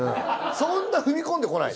そんな踏み込んでこないで。